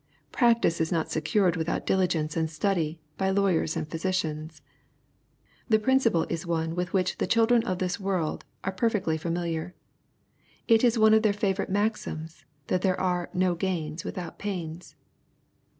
Practice is not secured without diligence and study, by lawyers and physicians. The principle is one with which the children of this world are perfectly familiar. It is one of their favorite maxims, that there are " no gains without pains.''